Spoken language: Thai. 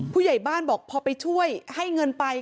ผู้ใหญ่บ้านบอกพอไปช่วยให้เงินไป